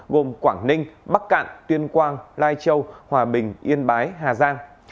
gồm quảng ninh bắc cạn tuyên quang lai châu hòa bình yên bái hà giang